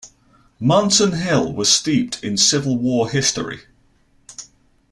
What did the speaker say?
Munson Hill was steeped in Civil War history.